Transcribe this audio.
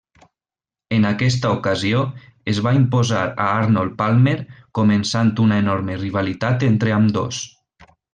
En aquesta ocasió es va imposar a Arnold Palmer començant una enorme rivalitat entre ambdós.